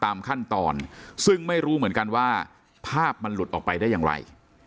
ตามขั้นตอนซึ่งไม่รู้เหมือนกันว่าภาพมันหลุดออกไปได้อย่างไร